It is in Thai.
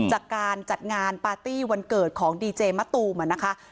จากการจัดงานปาร์ตี้วันเกิดของดีเจมส์มัตตูมันนะคะครับ